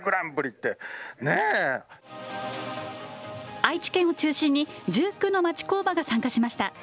愛知県を中心に、１９の町工場が参加しました。